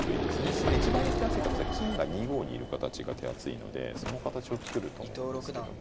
やっぱり手厚い形は金が２五にいる形が手厚いのでその形を作ると思うんですけども。